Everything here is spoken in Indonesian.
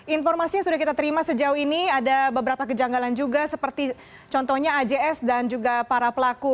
informasi yang sudah kita terima sejauh ini ada beberapa kejanggalan juga seperti contohnya ajs dan juga para pelaku